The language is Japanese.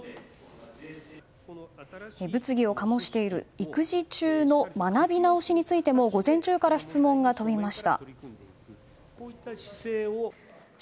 物議を醸している育児中の学び直しについても質問が飛びました。